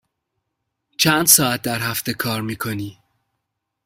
چند ساعت در هفته کار می کنی؟